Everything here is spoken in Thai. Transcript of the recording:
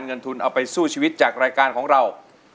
เงินทุนเอาไปสู้ชีวิตจากรายการของเรา